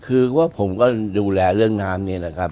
คือว่าผมก็ดูแลเรื่องน้ำนี้นะครับ